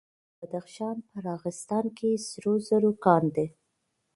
د بدخشان په راغستان کې سرو زرو کان دی.